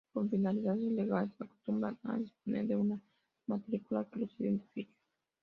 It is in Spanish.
Con finalidades legales, acostumbran a disponer de una matrícula que los identifica.